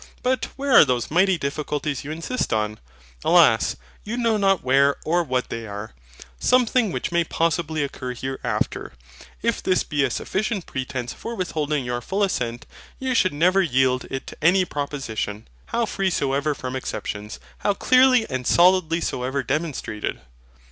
But where are those mighty difficulties you insist on? Alas! you know not where or what they are; something which may possibly occur hereafter. If this be a sufficient pretence for withholding your full assent, you should never yield it to any proposition, how free soever from exceptions, how clearly and solidly soever demonstrated.